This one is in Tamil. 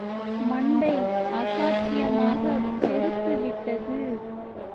மண்டை அசாத்தியமாகப் பெருத்துவிட்டது.